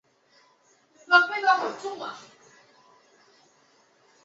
这将产生其能够持续至最后一口的乳脂状泡沫。